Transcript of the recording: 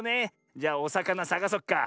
じゃおさかなさがそっか。